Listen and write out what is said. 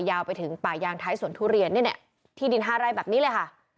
ยาวไปถึงป่ายยางไทยสวนทุเรียนเนี่ยเนี่ยที่ดินห้าร่ายแบบนี้เลยค่ะ